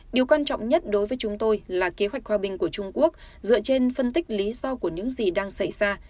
điều quan trọng nhất đối với chúng tôi là kế hoạch hòa bình của trung quốc dựa trên phân tích lý do của những gì đang xảy ra